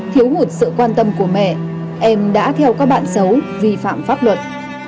thiếu hụt sự quan tâm của mẹ em đã theo các bạn xấu vi phạm pháp luật